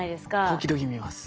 時々見ます。